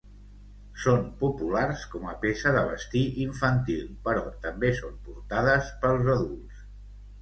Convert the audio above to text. Són populars com a peça de vestir infantil però també són portades pels adults.